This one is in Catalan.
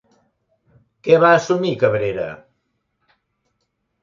Què va assumir Cabrera?